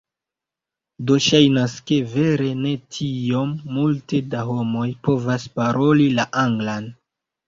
Do ŝajnas ke, vere ne tiom multe da homoj povas paroli la Anglan.